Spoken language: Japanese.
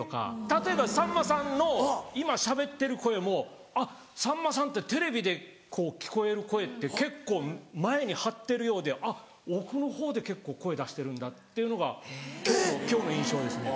例えばさんまさんの今しゃべってる声もあっさんまさんってテレビで聞こえる声って結構前に張ってるようであっ奥のほうで結構声出してるんだっていうのが今日の印象ですね。